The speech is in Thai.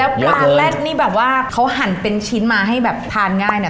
และปลาแร็กนี่แบบว่าหั่นเป็นชิ้นมาให้แบบทานง่าย